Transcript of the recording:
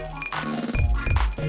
siapa kaneck lu